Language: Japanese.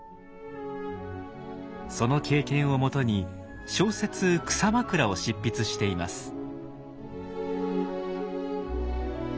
その経験をもとに小説「草枕」を執筆しています。